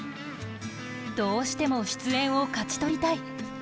どうしても出演を勝ち取りたい。